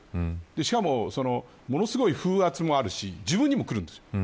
しかも、ものすごい風圧もあるし自分にもくるんですよ。